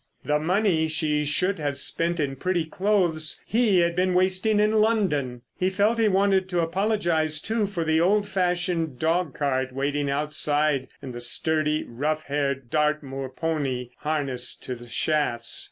The money she should have spent in pretty clothes he had been wasting in London! He felt he wanted to apologise, too, for the old fashioned dog cart waiting outside and the sturdy, rough haired Dartmoor pony harnessed to the shafts.